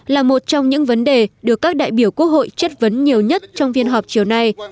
là một trong những vấn đề được các đại biểu quốc hội chất vấn nhiều nhất trong phiên họp chiều nay